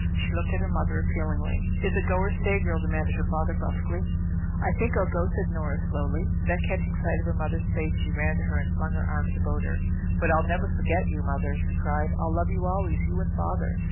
She looked at her mother appealingly. "Is it go or stay, girl," demanded her father brusquely. "I think I'll go," said Nora slowly. Then, catching sight of her mother's face, she ran to her and flung her arms about her. "But I'll never forget you, Mother," she cried. "I'll love you always you and Father."